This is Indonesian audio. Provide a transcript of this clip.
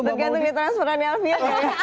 tergantung transferannya alvia